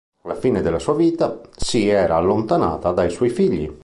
Alla fine della sua vita, si era allontanata dai suoi figli.